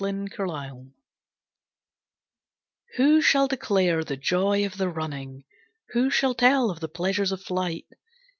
A Winter Ride Who shall declare the joy of the running! Who shall tell of the pleasures of flight!